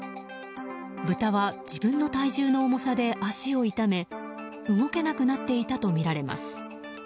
豚は自分の体重の重さで脚を痛め動けなくなっていたとみられます。